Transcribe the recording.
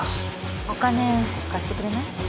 お金貸してくれない？